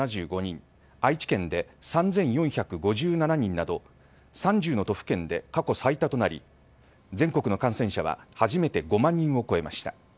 愛知県で３４５７人など３０の都府県で過去最多となり全国の感染者は初めて５万人を超えました。